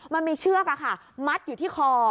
มันมีเชือกมัดอยู่ที่คอ